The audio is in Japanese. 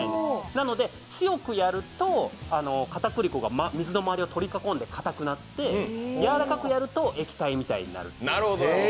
なので、強くやるとかたくり粉が水の周りを取り囲んで硬くなってやわらかくやると液体みたいになると。